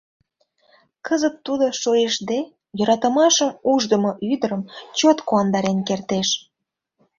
Кызыт тудо шойыштде йӧратымашым уждымо ӱдырым чот куандарен кертеш.